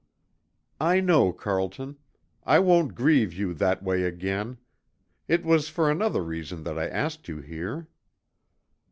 "I know, Carlton. I won't grieve you that way again. It was for another reason that I asked you here."